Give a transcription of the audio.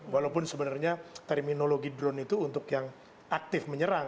walaupun sebenarnya terminologi drone itu untuk yang aktif menyerang